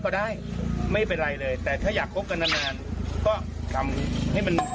โอ้อันนั้นเป็นเรื่องปกติของมนุษย์อื่น